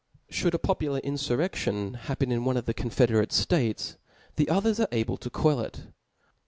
Chap.'x. Should a popular infurreflion happen in one of the confederate ftates, the others are able to quell it.